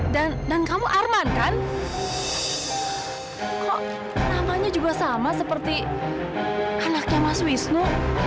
dan dan kamu arman kan kok namanya juga sama seperti anaknya mas wisnu